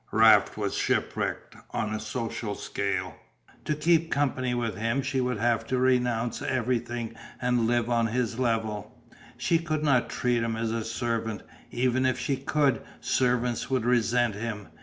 Raft was shipwrecked on a social state; to keep company with him she would have to renounce everything and live on his level; she could not treat him as a servant; even if she could, servants would resent him.